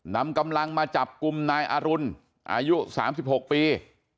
นำกำลังมาจับกลุ่มนายอรุณอายุ๓๖ปี